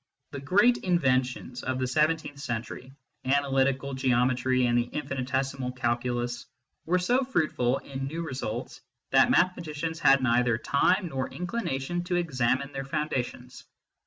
The great inventions of the seventeenth century Analytical Geometry and the Infinitesimal Calculus were so fruitful in new results that mathe maticians had neither time nor inclination to examine their foundations.